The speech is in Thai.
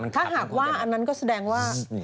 ถ้าหากว่าอันนั้นก็แสดงว่า